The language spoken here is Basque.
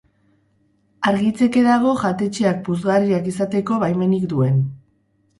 Argitzeke dago jatetxeak puzgarriak izateko baimenik duen.